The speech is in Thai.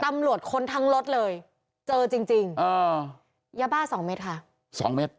ค้นทั้งรถเลยเจอจริงจริงอ่ายาบ้าสองเม็ดค่ะสองเม็ด